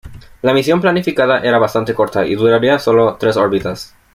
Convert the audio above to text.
La misión planificada era bastante corta y duraría sólo tres órbitas.